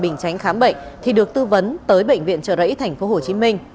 bình tránh khám bệnh thì được tư vấn tới bệnh viện trở rẫy tp hcm